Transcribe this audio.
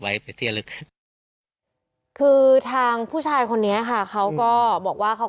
ไว้เป็นที่ลึกคือทางผู้ชายคนนี้ค่ะเขาก็บอกว่าเขา